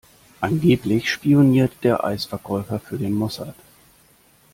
Angeblich spioniert der Eisverkäufer für den Mossad.